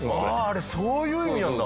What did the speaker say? あれそういう意味なんだ。